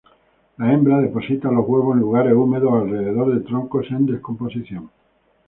La hembra deposita los huevos en lugares húmedos o alrededor de troncos en descomposición.